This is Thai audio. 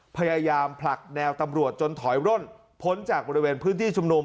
พยายามผลักแนวตำรวจจนถอยร่นพ้นจากบริเวณพื้นที่ชุมนุม